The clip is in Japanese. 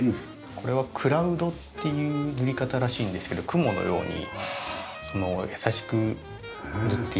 これはクラウドっていう塗り方らしいんですけど雲のように優しく塗っていくというやり方のようです。